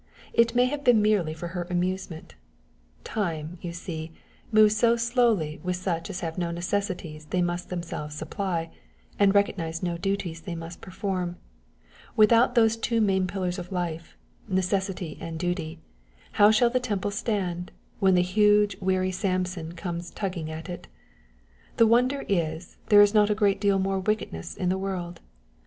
It may have been merely for her amusement time, you see, moves so slowly with such as have no necessities they must themselves supply, and recognize no duties they must perform: without those two main pillars of life, necessity and duty, how shall the temple stand, when the huge, weary Samson comes tugging at it? The wonder is, there is not a great deal more wickedness in the world.